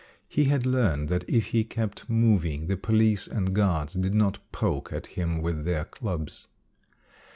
He had learned that if he kept moving the police and guards did not poke at him with their clubs.